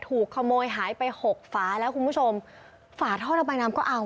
ถูกขโมยหายไปหกฝาแล้วคุณผู้ชมฝาท่อระบายน้ำก็เอา